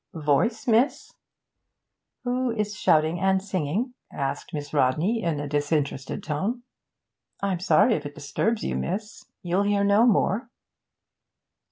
'Voice, miss?' 'Who is shouting and singing?' asked Miss Rodney, in a disinterested tone. 'I'm sorry if it disturbs you, miss. You'll hear no more.'